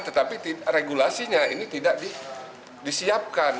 tetapi regulasinya ini tidak disiapkan